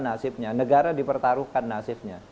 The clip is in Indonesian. nasibnya negara dipertaruhkan nasibnya